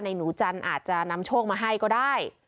หนูจันทร์อาจจะนำโชคมาให้ก็ได้